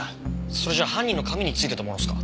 それじゃあ犯人の髪に付いてたものですか？